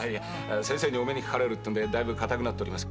先生にお目にかかれるってんでだいぶ硬くなっとります。